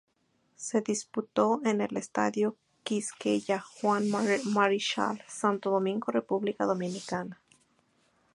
Se disputó en el Estadio Quisqueya Juan Marichal, Santo Domingo, República Dominicana.